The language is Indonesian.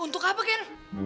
untuk apa ken